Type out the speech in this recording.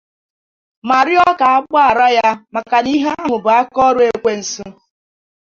ma rịọ ka a gbaghara ya maka na ihe ahụ bụ aka ọrụ ekwensu.